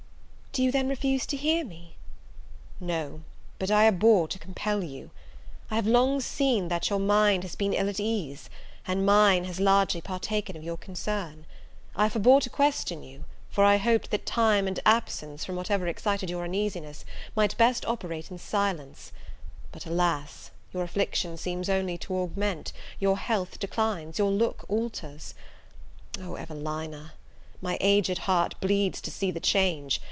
"Do you then refuse to hear me?" "No, but I abhor to compel you. I have long seen that your mind has been ill at ease, and mine has largely partaken of your concern: I forbore to question you; for I hoped that time and absence, from whatever excited your uneasiness, might best operate in silence: but, alas! your affliction seems only to augment, your health declines, your look alters! Oh, Evelina, my aged heart bleeds to see the change!